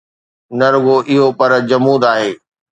نه رڳو اهو پر جمود آهي.